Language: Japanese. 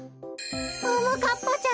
ももかっぱちゃん！